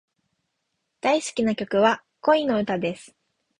大好きな曲は、恋の歌です。